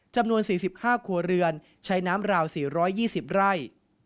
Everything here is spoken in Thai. จำนวน๔๕ครัวเรือนใช้น้ำราว๔๒๐ไร่